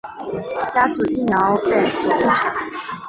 加速医疗院所工程